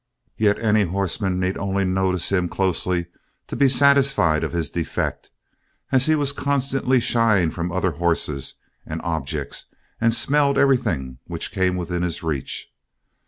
Yet any horseman need only notice him closely to be satisfied of his defect, as he was constantly shying from other horses and objects and smelled everything which came within his reach.